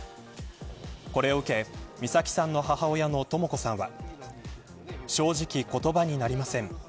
これを受け美咲さんの母親のとも子さんは正直、言葉になりません。